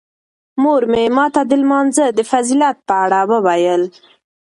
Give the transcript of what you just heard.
مور مې ماته د لمانځه د فضیلت په اړه وویل.